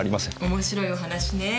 面白いお話ね。